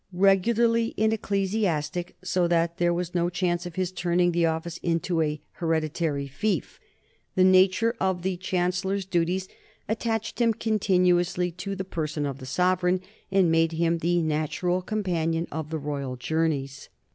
Regularly an ecclesiastic, so that there was no chance of his turning the office into an hereditary fief, the nature of the chan cellor's duties attached him continuously to the person of the sovereign and made him the natural companion of the royal journeys.